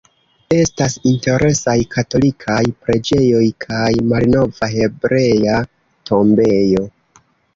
Estas interesaj katolikaj preĝejoj kaj malnova Hebrea tombejo.